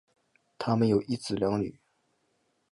他们有一子两女。